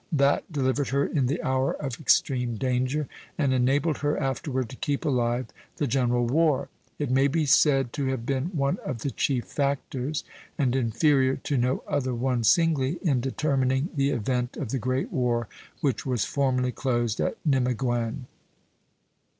That delivered her in the hour of extreme danger, and enabled her afterward to keep alive the general war. It may be said to have been one of the chief factors, and inferior to no other one singly, in determining the event of the great war which was formally closed at Nimeguen.